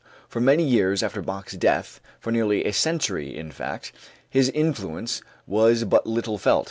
For many years after Bach's death, for nearly a century in fact, his influence was but little felt.